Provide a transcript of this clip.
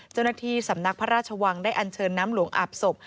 เจ้าหน้าที่สำนักพระราชวังได้อันเชิญน้ำหลวงอาบศพ